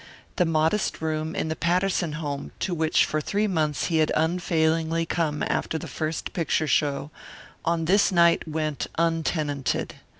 The modest room in the Patterson home, to which for three months he had unfailingly come after the first picture show, on this night went untenanted.